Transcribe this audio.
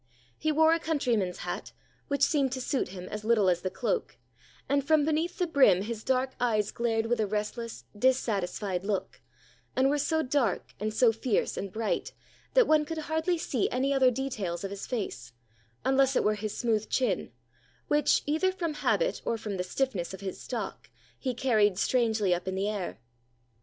He wore a countryman's hat, which seemed to suit him as little as the cloak, and from beneath the brim his dark eyes glared with a restless, dissatisfied look, and were so dark and so fierce and bright that one could hardly see any other details of his face, unless it were his smooth chin, which, either from habit or from the stiffness of his stock, he carried strangely up in the air.